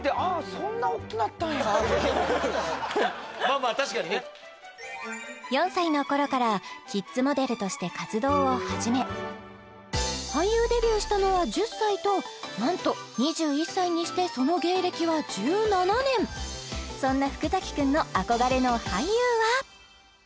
そんなおっきなったんやまあまあ確かにねを始め俳優デビューしたのは１０歳となんと２１歳にしてその芸歴は１７年そんな福崎くんの憧れの俳優は？